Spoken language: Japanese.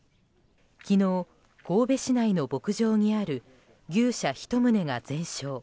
昨日、神戸市内の牧場にある牛舎１棟が全焼。